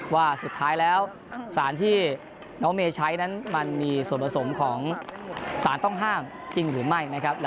ว่าสุดท้ายแล้วสารที่น้องเมย์ใช้นั้นมันมีส่วนผสมของสารต้องห้ามจริงหรือไม่นะครับ